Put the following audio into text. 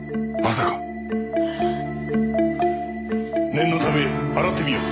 念のため洗ってみよう。